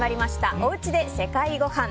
おうちで世界ごはん。